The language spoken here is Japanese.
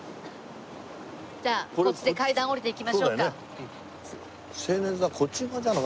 じゃあこっちで階段下りていきましょうか。